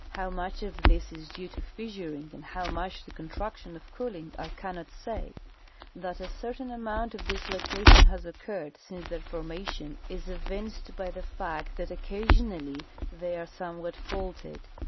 How much of this is due to fissuring and how much to contraction of cooling I cannot sa}^ That a certain amount of dislocation has occurred since their formation is evinced by the fact that occasionally the}^ are somewhat faulted.